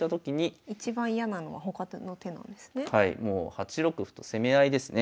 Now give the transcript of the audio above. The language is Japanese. ８六歩と攻め合いですね。